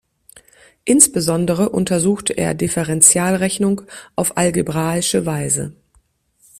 Insbesondere untersuchte er Differentialrechnung auf algebraische Weise.